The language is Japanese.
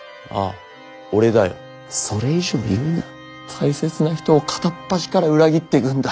大切な人を片っ端から裏切ってくんだ。